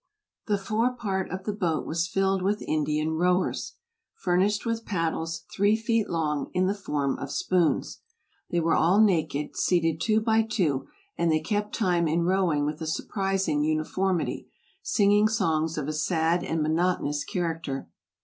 The fore part of the boat was filled with Indian rowers, furnished with paddles, three feet long, in the form of spoons. They were all naked, seated two by two, and they kept time in rowing with a surprising uniformity, singing songs of a sad and monotonous charac ter.